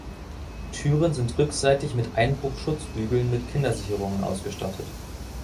Türen sind rückseitig mit Einbruchschutzbügeln mit Kindersicherungen ausgestattet.